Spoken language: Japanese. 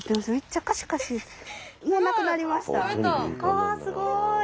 わすごい。